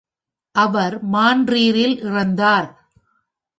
அவர் மாண்ட்ரீலில் இறந்தார்.